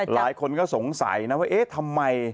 หลายคนก็สงสัยนะว่าเอ๊ะทำไม